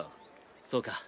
そうか。